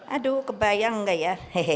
aduh kebayang gak ya